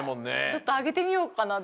ちょっとあげてみようかな。